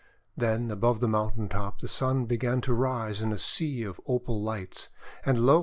Then above the mountain top the Sun began to rise in a sea of opal lights. And, lo!